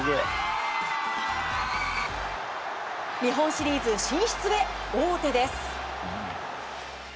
日本シリーズ進出へ王手です。